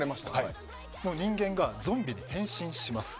人間がゾンビに変身します。